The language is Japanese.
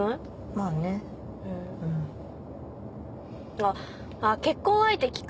あっ結婚相手聞く。